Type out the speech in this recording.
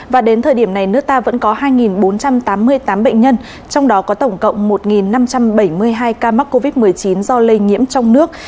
và đến thời điểm này nước ta vẫn có hai bốn trăm tám mươi tám bệnh nhân trong đó có tổng cộng một năm trăm bảy mươi hai ca mắc covid một mươi chín do lây nhiễm trong nước